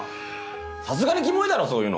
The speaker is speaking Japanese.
さすがにキモいだろそういうの。